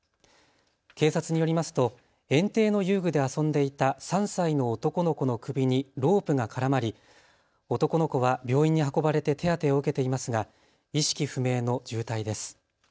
警察によりますと園庭の遊具で遊んでいた３歳の男の子の首にロープが絡まり、男の子は病院に運ばれて手当てを受けていますが意識不明の重体です。